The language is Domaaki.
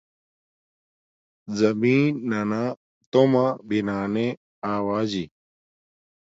زمین نانا تومہ بنانے آواجی